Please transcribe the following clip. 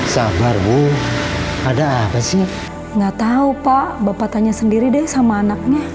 sabar bu ada apa sih nggak tahu pak bapak tanya sendiri deh sama anaknya